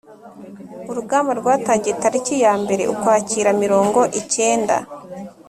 Urugamba rwatangiye Tariki ya mbere Ukwakira mirongo icyenda